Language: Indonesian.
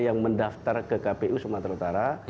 yang mendaftar ke kpu sumatera utara